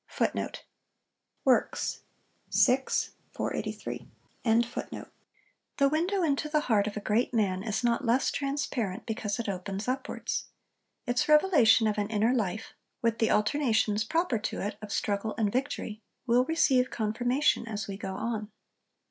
' This window into the heart of a great man is not less transparent because it opens upwards. Its revelation of an inner life, with the alternations proper to it of struggle and victory, will receive confirmation as we go on.